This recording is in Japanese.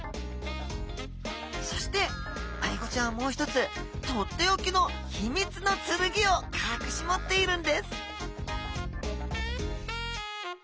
そしてアイゴちゃんはもう一つとっておきの秘密の剣をかくし持っているんです！